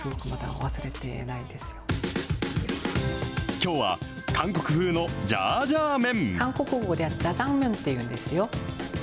きょうは、韓国風のジャージャー麺。